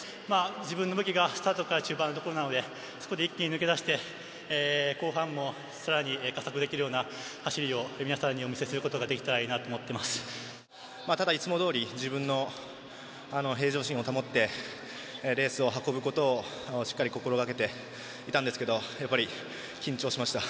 自分の武器がスタートから中盤のところなので、そこで一気に抜け出して、後半もさらに加速できるような走りを皆様にお見せすることができただ、いつもどおり自分の平常心を保ってレースを運ぶことをしっかり心がけていたんですけど、やっぱり緊張しました。